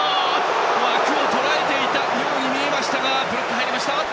枠をとらえていたように見えましたがブロックが入った。